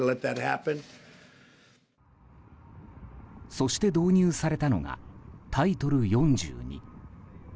そして、導入されたのがタイトル４２。